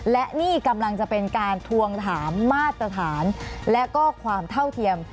และนี่กำลังจะเป็นการทวงถามมาตรฐานและก็ความเท่าเทียม